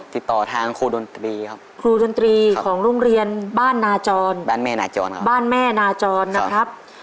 ติดต่อทางครูดนตรีครับครูดนตรีของโรงเรียนบ้านนาจรบ้านแม่นาจรครับ